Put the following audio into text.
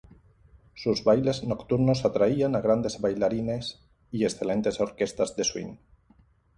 Sus bailes nocturnos atraían a grandes bailarines y excelentes orquestas de Swing.